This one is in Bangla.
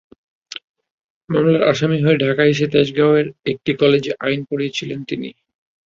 মামলার আসামি হয়ে ঢাকায় এসে তেজগাঁওয়ের একটি কলেজে আইন পড়ছিলেন তিনি।